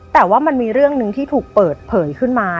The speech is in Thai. แต่ว่ามันมีเรื่องหนึ่งที่ถูกเปิดเผยขึ้นมา